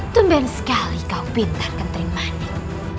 tumben sekali kau pintar kentering manik